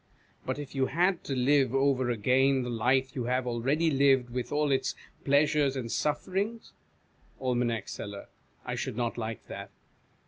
But if you had to live over again the life you have already lived, with all its pleasures and sufferings ? Aim. Seller. I should not like that.